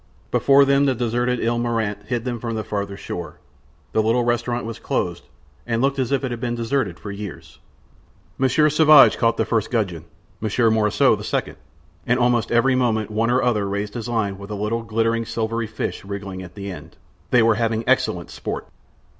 Before them the deserted Ile Marante hid them from the farther shore. The little restaurant was closed, and looked as if it had been deserted for years. Monsieur Sauvage caught the first gudgeon, Monsieur Morissot the second, and almost every moment one or other raised his line with a little, glittering, silvery fish wriggling at the end; they were having excellent sport.